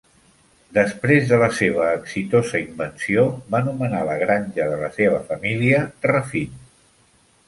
Després de la seva exitosa invenció, va nomenar la granja de la seva família, Raphine.